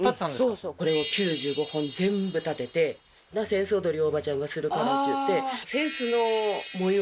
そうそうこれを９５本全部立てて扇子踊りおばちゃんがするからっちゅって扇子の模様